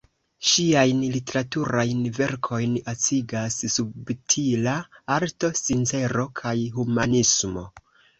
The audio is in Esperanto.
Ŝiajn literaturajn verkojn ecigas subtila arto, sincero kaj humanismo.